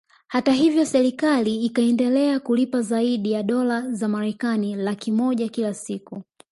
Hata hivyo serikali ikaendelea kulipa zaidi ya dolar za Marekani laki moja kila siku